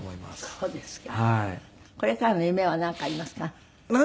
そうですね。